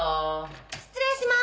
失礼します。